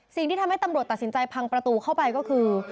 สิ่งที่ทำให้ตำรวจตัดสินใจพังประตูเข้าไปก็คือ